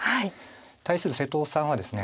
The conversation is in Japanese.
対する瀬戸さんはですね